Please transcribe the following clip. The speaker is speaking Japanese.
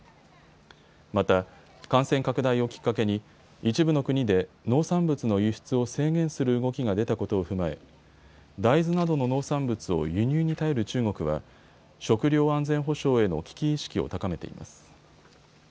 また感染拡大をきっかけに一部の国で農産物の輸出を制限する動きが出たことを踏まえ、大豆などの農産物を輸入に頼る中国は食料安全保障への危機意識を高めています。